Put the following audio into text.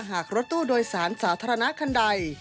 หากรถตู้โดยสารสาธารณะคันใด